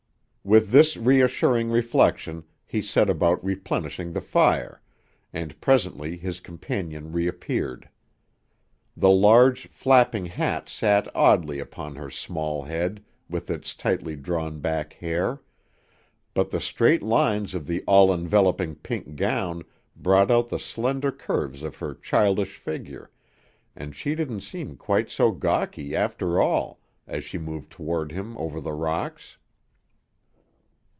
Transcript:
With this reassuring reflection he set about replenishing the fire, and presently his companion reappeared. The large, flapping hat sat oddly upon her small head with its tightly drawn back hair, but the straight lines of the all enveloping pink gown brought out the slender curves of her childish figure, and she didn't seem quite so gawky, after all, as she moved toward him over the rocks.